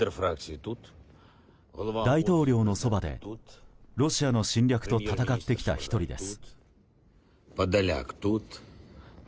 大統領のそばでロシアの侵略と戦ってきた１人です。